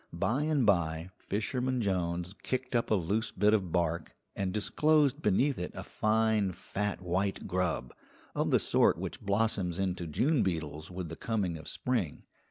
By and by Fisherman Jones kicked up a loose bit of bark, and disclosed beneath it a fine fat white grub, of the sort which blossoms into June beetles with the coming of spring.